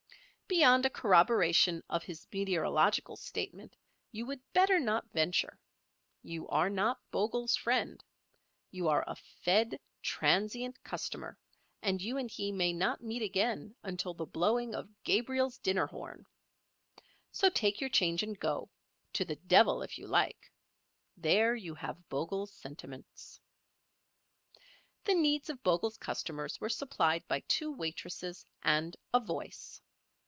Beyond a corroboration of his meteorological statement you would better not venture. You are not Bogle's friend; you are a fed, transient customer, and you and he may not meet again until the blowing of Gabriel's dinner horn. So take your change and go—to the devil if you like. There you have Bogle's sentiments. The needs of Bogle's customers were supplied by two waitresses and a Voice.